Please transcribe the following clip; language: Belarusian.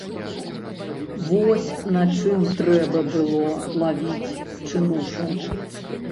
Вось на чым трэба было лавіць чынушу!